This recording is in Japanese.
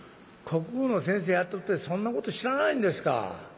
「国語の先生やっとってそんなこと知らないんですか？